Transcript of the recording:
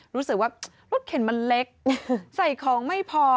รู้สึกว่ารถเข็นมันเล็กใส่ของไม่พอ